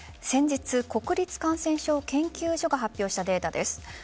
先日、国立感染症研究所が発表したデータです。